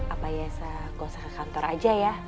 apa biasa gosok ke kantor aja ya